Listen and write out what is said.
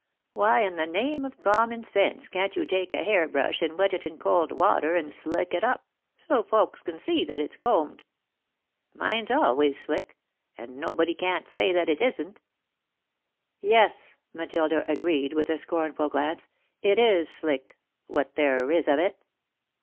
Why 'n the name of common sense can't you take a hair brush and wet it in cold water and slick it up, so's folks can see that it's combed? Mine's always slick, and nobody can't say that it isn't." [Sidenote: Grandmother's Disappointment] "Yes," Matilda agreed with a scornful glance, "it is slick, what there is of it."